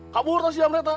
kabur teh si jam red ah